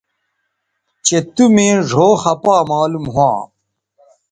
چہء تُو مے ڙھؤ خپا معلوم ھواں